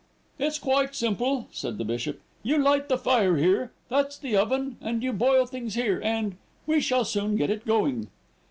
"It's quite simple," said the bishop. "You light the fire here, that's the oven, and you boil things here, and we shall soon get it going."